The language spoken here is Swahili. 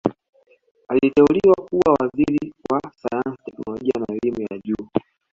aliteuliwa kuwa Waziri wa sayansi teknolojia na elimu ya juu